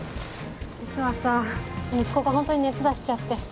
実はさ息子が本当に熱出しちゃって。